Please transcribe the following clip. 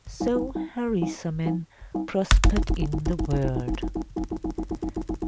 So Harisarman prospered in the world.